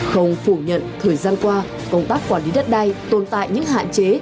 không phủ nhận thời gian qua công tác quản lý đất đai tồn tại những hạn chế